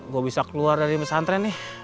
gue bisa keluar dari pesantren nih